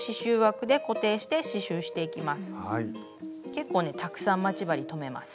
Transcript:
結構ねたくさん待ち針留めます。